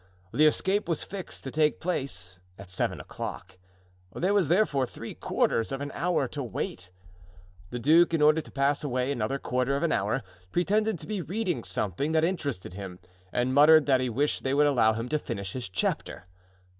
The escape was fixed to take place at seven o'clock; there was therefore three quarters of an hour to wait. The duke, in order to pass away another quarter of an hour, pretended to be reading something that interested him and muttered that he wished they would allow him to finish his chapter.